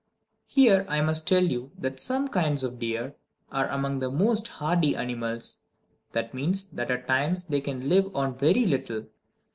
Here I must tell you that some kinds of deer are among the most hardy animals; that means that at times they can live on very little.